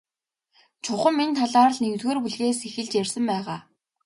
Чухам энэ талаар л нэгдүгээр бүлгээс эхэлж ярьсан байгаа.